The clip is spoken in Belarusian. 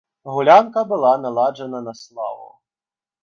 Гулянка была наладжана на славу.